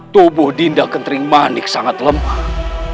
tubuh dinda kenting manik sangat lemah